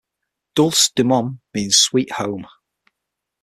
'Dulce Domum' means 'Sweet Home'.